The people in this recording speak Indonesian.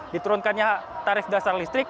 diturunkannya tarif dasar listrik